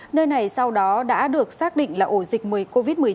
nơi này sau đó đã được xác định là ổ dịch covid một mươi chín